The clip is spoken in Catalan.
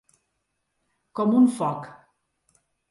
Com un foc.